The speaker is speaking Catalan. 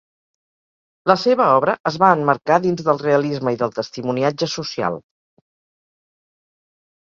La seva obra es va emmarcar dins del realisme i del testimoniatge social.